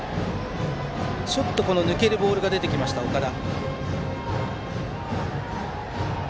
抜けるボールが出てきました岡田。